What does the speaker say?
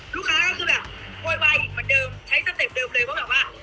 ลูกค้าก็คือแบบโวยวายอีกเหมือนเดิมใช้สเต็ปเดิมเลยว่าแบบว่า